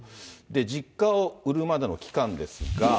実家を売るまでの期間ですが。